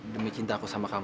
demi cinta aku sama kamu